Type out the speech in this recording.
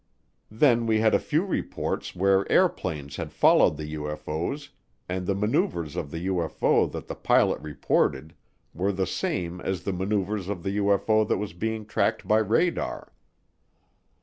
Then we had a few reports where airplanes had followed the UFO's and the maneuvers of the UFO that the pilot reported were the same as the maneuvers of the UFO that was being tracked by radar.